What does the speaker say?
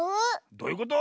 どういうこと？